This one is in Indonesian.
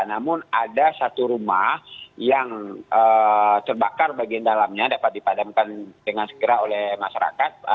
namun ada satu rumah yang terbakar bagian dalamnya dapat dipadamkan dengan segera oleh masyarakat